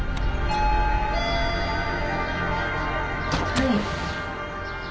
はい。